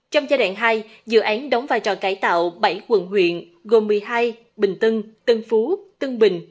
trong giai đoạn hai dự án đóng vai trò cải tạo bảy quận huyện gồm một mươi hai bình tân tân phú tân bình